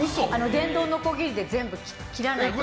電動のこぎりで全部切らないと。